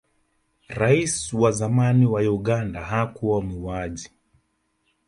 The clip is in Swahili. rais wa zamani wa uganda hakuwa muuaji